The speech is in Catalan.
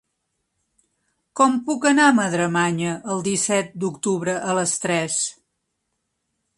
Com puc anar a Madremanya el disset d'octubre a les tres?